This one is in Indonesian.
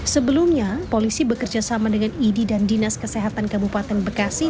sebelumnya polisi bekerja sama dengan idi dan dinas kesehatan kabupaten bekasi